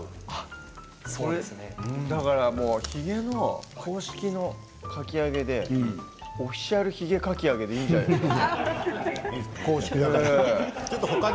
ヒゲの公式のかき揚げでオフィシャルヒゲかき揚げいいんじゃないですか。